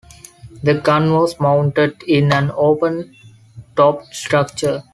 The gun was mounted in an open-topped structure.